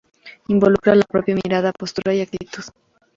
Involucra la propia mirada, postura y actitud.